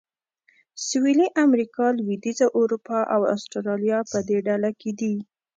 سویلي امریکا، لوېدیځه اروپا او اسټرالیا په دې ډله کې دي.